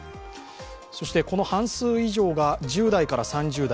そしてこの半数以上が１０代から３０代。